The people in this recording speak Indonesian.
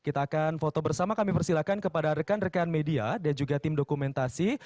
kita akan foto bersama kami persilahkan kepada rekan rekan media dan juga tim dokumentasi